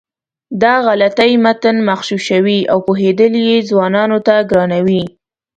دا غلطۍ متن مغشوشوي او پوهېدل یې ځوانانو ته ګرانوي.